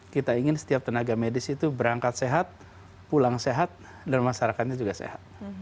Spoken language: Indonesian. kita ingin setiap tenaga medis itu berangkat sehat pulang sehat dan masyarakatnya juga sehat